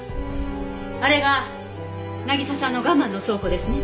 あれが渚さんの我慢の倉庫ですね。